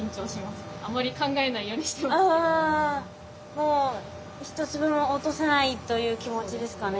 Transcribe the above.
もう一粒も落とさないという気持ちですかね。